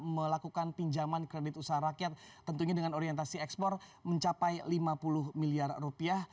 melakukan pinjaman kredit usaha rakyat tentunya dengan orientasi ekspor mencapai lima puluh miliar rupiah